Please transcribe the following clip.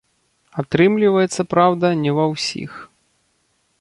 Атрымліваецца, праўда, не ва ўсіх.